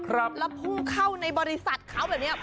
แล้วพุ่งเข้าในบริษัทเขาแบบนี้